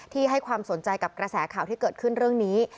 ให้ความสนใจกับกระแสข่าวที่เกิดขึ้นเรื่องนี้